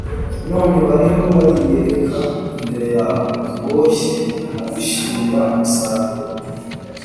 none bariho bariyereka imbere yawe, boshye abishimira umusaruro,